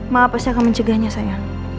mama pasti akan mencegahnya sayang